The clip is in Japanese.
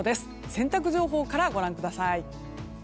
洗濯情報からご覧ください。